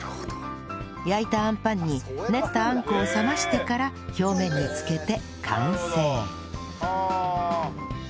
焼いたアンパンに練ったあんこを冷ましてから表面に付けて完成